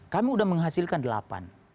kami sudah menghasilkan delapan